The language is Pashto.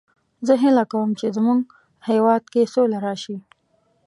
زه هیله کوم چې د مونږ هیواد کې سوله راشي